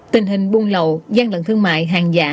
tình hình buôn lậu gian lận thương mại hàng giả